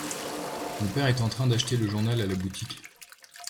Mon père est en train d'acheter le journal à la boutique.